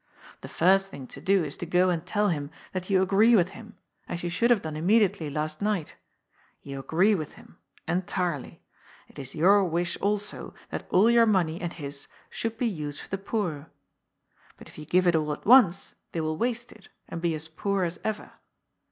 The flrst thing to do is to go and tell him that you agree with him, as you should have done immediately last night. You agree with him— entirely. It is your wish, also, that all your money and his should be used for the poor. But if you give it all at once, they will waste it, and be as poor as ever.